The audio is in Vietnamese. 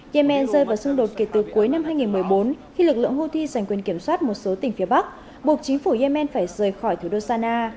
yemen rơi vào xung đột kể từ cuối năm hai nghìn một mươi bốn khi lực lượng houthi giành quyền kiểm soát một số tỉnh phía bắc buộc chính phủ yemen phải rời khỏi thủ đô sanaa